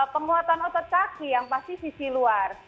penguatan otot kaki yang pasti sisi luar